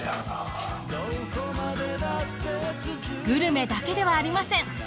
グルメだけではありません。